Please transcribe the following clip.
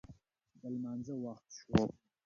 د لمانځه وخت شو